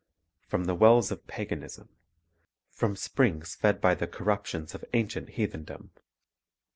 — From the wells of paganism; from springs fed by the cor ruptions of ancient heathendom.